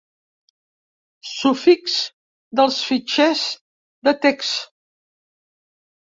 Sufix dels fitxers de text.